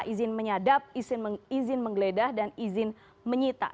izin menyadap izin menggeledah dan izin menyita